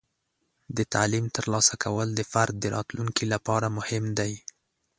د تعلیم ترلاسه کول د فرد د راتلونکي لپاره مهم دی.